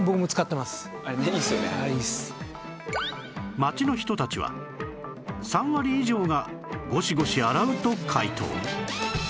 街の人たちは３割以上がゴシゴシ洗うと回答